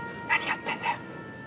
何やってんだよ？